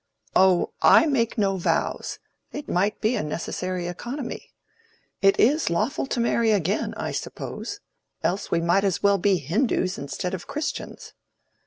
"Oh, I make no vows; it might be a necessary economy. It is lawful to marry again, I suppose; else we might as well be Hindoos instead of Christians.